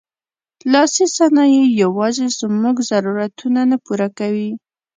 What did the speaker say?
لاسي صنایع یوازې زموږ ضرورتونه نه پوره کوي.